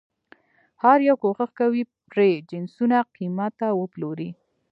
هر یو کوښښ کوي پرې جنسونه قیمته وپلوري.